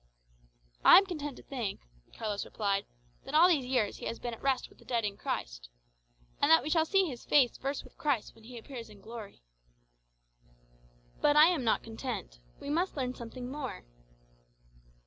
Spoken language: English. "I am content to think," Carlos replied, "that all these years he has been at rest with the dead in Christ. And that we shall see his face first with Christ when he appears in glory." "But I am not content. We must learn something more."